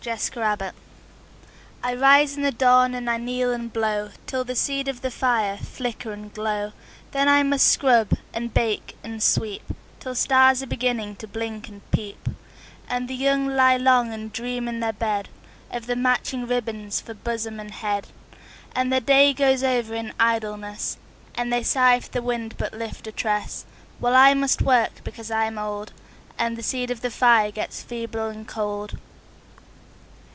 0 Autoplay I RISE in the dawn, and I kneel and blow Till the seed of the fire flicker and glow; And then I must scrub and bake and sweep Till stars are beginning to blink and peep; And the young lie long and dream in their bed Of the matching of ribbons for bosom and head, And their ~y goes over in idleness, And they sigh if the wind but lift a tress: While I must work because I am old, And the seed of the fire gets feeble and cold.